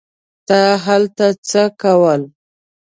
تا هلته څه کول.